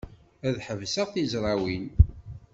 Ad ḥebseɣ tizrawin.